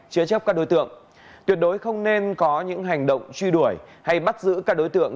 chứa chấp các đối tượng tuyệt đối không nên có những hành động truy đuổi hay bắt giữ các đối tượng